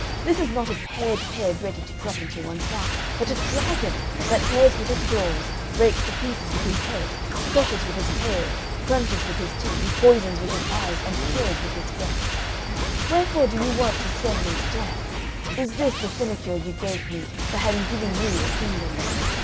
This is not a pared pear ready to drop into one's mouth, but a dragon, that tears with his claws, breaks to pieces with his head, crushes with his tail, crunches with his teeth, poisons with his eyes, and kills with his breath. Wherefore do you want to send me to death? Is this the sinecure you give me for having given you a kingdom?